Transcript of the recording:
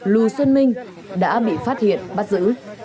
lù xuân minh đã bị phát hiện bắt giữ